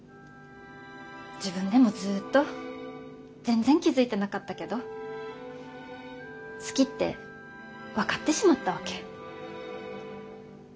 自分でもずっと全然気付いてなかったけど好きって分かってしまったわけ。